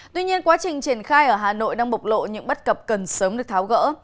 tuy nhiên quá trình triển khai ở hà nội đang bộc lộ những bất cập cần sớm được tháo gỡ